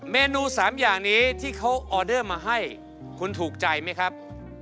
เมนู๓อย่างนี้ที่เขาออเดอร์มาให้คุณถูกใจไหมครับ